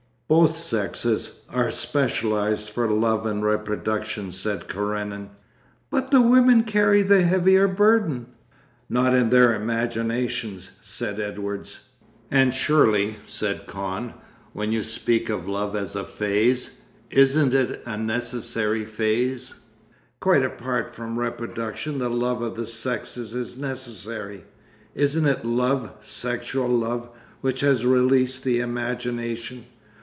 'Both sexes are specialised for love and reproduction,' said Karenin. 'But the women carry the heavier burden.' 'Not in their imaginations,' said Edwards. 'And surely,' said Kahn, 'when you speak of love as a phase—isn't it a necessary phase? Quite apart from reproduction the love of the sexes is necessary. Isn't it love, sexual love, which has released the imagination?